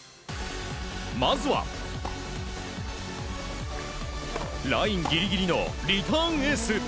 まずは、ラインギリギリのリターンエース。